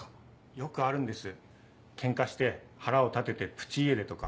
よくあるんですケンカして腹を立ててプチ家出とか。